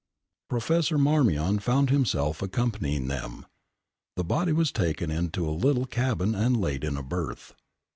Professor Marmion found himself accompanying them. The body was taken into a little cabin and laid in a berth.